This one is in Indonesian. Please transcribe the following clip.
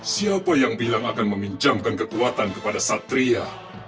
siapa yang bilang akan meminjamkan kekuatan kepada satria